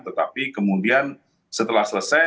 tetapi kemudian setelah selesai